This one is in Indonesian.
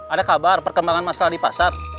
ada kabar perkembangan masalah di pasar